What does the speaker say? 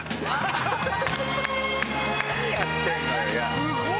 すごい！